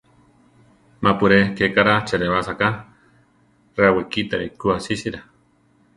Ma-pu ré, ké kaʼrá cheʼlebasa ka; rawekítari ku asísira.